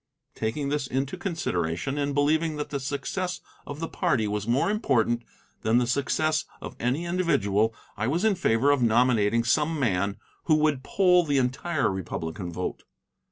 Taking this into consideration, and believing that the success of the party was more important than the success of any individual, I was in favor of nominating some man who would poll the entire Republican vote.